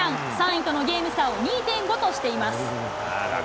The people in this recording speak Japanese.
３位とのゲーム差を２．５としています。